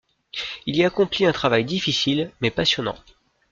Il y accomplit un travail difficile mais passionnant.